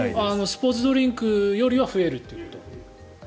スポーツドリンクよりは増えるということ。